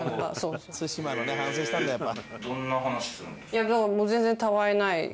対馬のね反省したんだやっぱ。